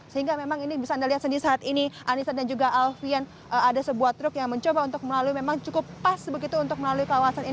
sehingga memang ini bisa anda lihat sendiri saat ini anissa dan juga alfian ada sebuah truk yang mencoba untuk melalui memang cukup pas begitu untuk melalui kawasan ini